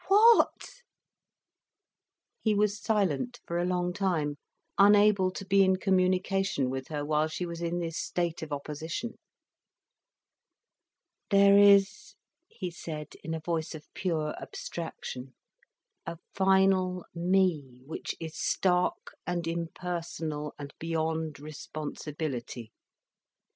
"What?" He was silent for a long time, unable to be in communication with her while she was in this state of opposition. "There is," he said, in a voice of pure abstraction; "a final me which is stark and impersonal and beyond responsibility.